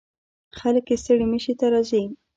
خلک یې ستړي مشي ته راځي.